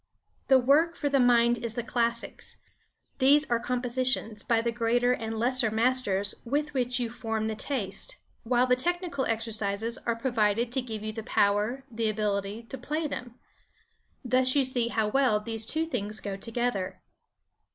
The work for the mind is the classics. These are compositions by the greater and lesser masters with which you form the taste, while the technical exercises are provided to give you the power, the ability, to play them. Thus you see how well these two things go together.